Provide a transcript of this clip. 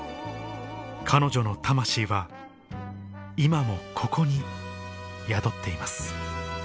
彼女の魂は今もここに宿っています